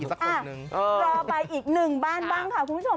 รอไปอีกหนึ่งบ้านบ้างค่ะคุณผู้ชม